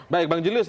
baik bang julius